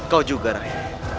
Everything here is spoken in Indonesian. kau juga rai